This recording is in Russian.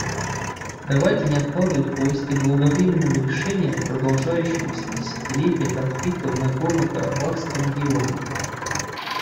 Давайте не откладывать поиски долговременного решения продолжающегося десятилетия конфликта в Нагорно-Карабахском регионе.